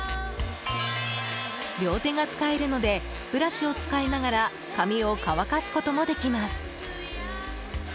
両手が使えるのでブラシを使いながら髪を乾かすこともできます。